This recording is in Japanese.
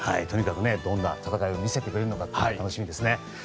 とにかくどんな戦いを見せてくれるか楽しみです。